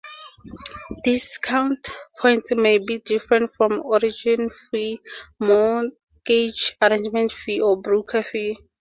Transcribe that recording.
Discount points may be different from origination fee, mortgage arrangement fee or broker fee.